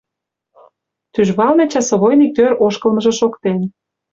Тӱжвалне часовойын иктӧр ошкылмыжо шоктен.